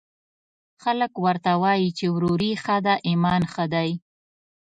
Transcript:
خلک ورته وايي، چې وروري ښه ده، امان ښه دی